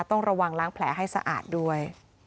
ต้องระวังล้างแผลให้สะอาดด้วย